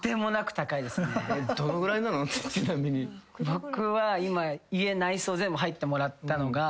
僕は今家内装全部入ってもらったのが。